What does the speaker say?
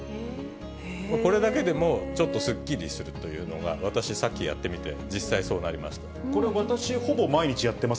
これだけでもちょっとすっきりするというのが、私、さっきやってこれ、私、ほぼ毎日やってます。